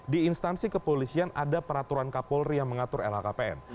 di instansi kepolisian ada peraturan kapolri yang mengatur lhkpn